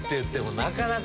なかなか。